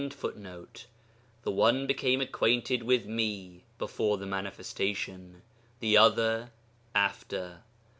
] The one became acquainted with me before the Manifestation, the other after.